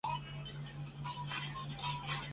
三名官守议员。